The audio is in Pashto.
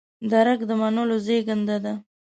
درک د منلو زېږنده ده.